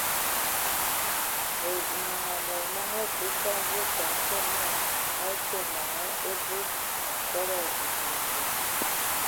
Ai zum amos Ndɔ mɔngɔ a aku mvug, təga fəg naa a dzo man ebug nkɔbɔ ziŋ mbəŋ.